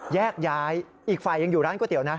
แยกย้ายอีกฝ่ายยังอยู่ร้านก๋วเตี๋ยนะ